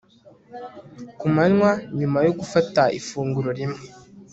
ku manywa Nyuma yo gufata ifunguro rimwe